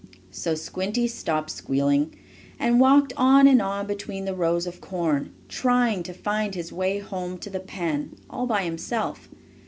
So Squinty stopped squealing, and walked on and on between the rows of corn, trying to find his way home to the pen all by himself.